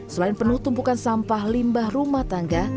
selain penuh tumpukan sampah limbah rumah tangga